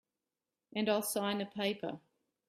And I'll sign a paper.